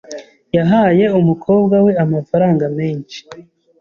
Yahaye umukobwa we amafaranga menshi .